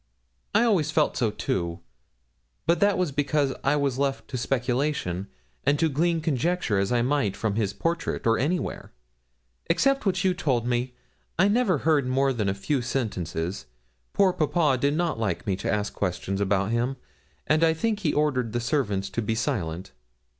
'I always felt so too; but that was because I was left to speculation, and to glean conjectures as I might from his portrait, or anywhere. Except what you told me, I never heard more than a few sentences; poor papa did not like me to ask questions about him, and I think he ordered the servants to be silent.'